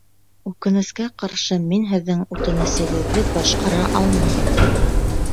Үкенескә ҡаршы, мин һеҙҙең үтенесегеҙҙе башҡара алмайым.